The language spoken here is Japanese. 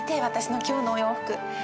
私の今日のお洋服。